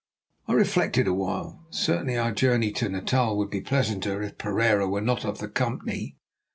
I reflected a while. Certainly our journey to Natal would be pleasanter if Pereira were not of the company.